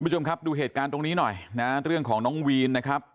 คุณผู้ชมครับดูเหตุการณ์ตรงนี้หน่อยนะเรื่องของน้องวีนนะครับ